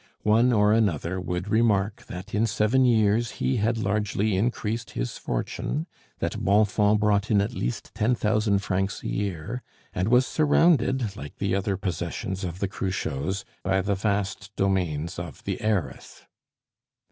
One or another would remark that in seven years he had largely increased his fortune, that Bonfons brought in at least ten thousand francs a year, and was surrounded, like the other possessions of the Cruchots, by the vast domains of the heiress.